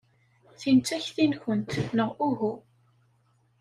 Tin d takti-nwent, neɣ uhu?